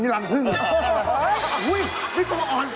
จะขั้นเอ้านมพึ่งให้กินนี่หลังพึ่ง